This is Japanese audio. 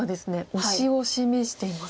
オシを示していますね。